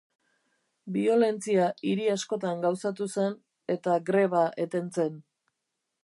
Biolentzia hiri askotan gauzatu zen, eta greba eten zen.